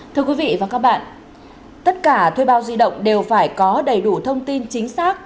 thưa quý vị và các bạn tất cả thuê bao di động đều phải có đầy đủ thông tin chính xác